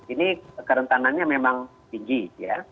ini kerentanannya memang tinggi ya